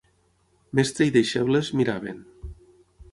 Mestre i deixebles, miraven